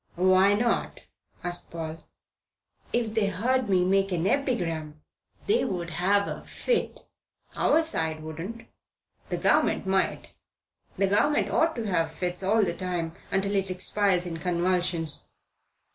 "Why not?" asked Paul. "If they heard me make an epigram, they would have a fit." "Our side wouldn't. The Government might. The Government ought to have fits all the time until it expires in convulsions."